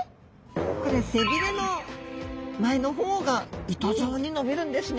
これ背びれの前の方が糸状に伸びるんですね。